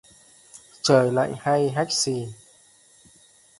Trời lạnh hay hách xì